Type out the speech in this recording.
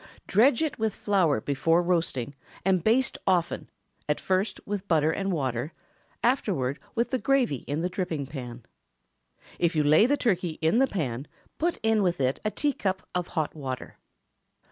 Dredge it with flour before roasting, and baste often; at first with butter and water, afterward with the gravy in the dripping pan. If you lay the turkey in the pan, put in with it a teacup of hot water.